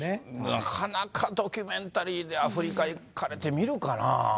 なかなかドキュメンタリーでアフリカ行かれて見るかな。